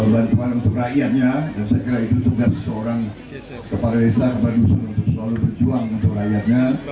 bantuan untuk rakyatnya dan saya kira itu tugas seorang kepala desa kepada usaha untuk selalu berjuang untuk rakyatnya